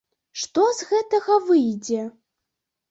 Што з гэтага выйдзе!